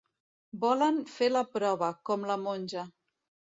Volen fer la prova, com la monja.